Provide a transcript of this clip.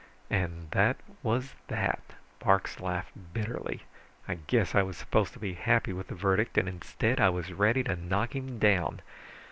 And that was that." Parks laughed bitterly. "I guess I was supposed to be happy with the verdict, and instead I was ready to knock him down.